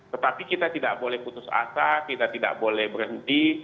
tetapi kita tidak boleh putus asa kita tidak boleh berhenti